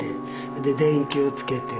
で電球をつけて。